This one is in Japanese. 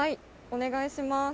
お願いします。